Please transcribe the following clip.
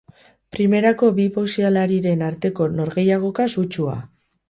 Primerako bi boxealariren arteko norgehiagoka sutsua.